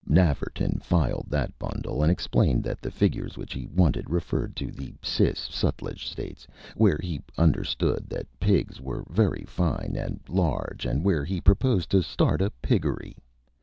Nafferton filed that bundle, and explained that the figures which he wanted referred to the Cis Sutlej states, where he understood that Pigs were very fine and large, and where he proposed to start a Piggery.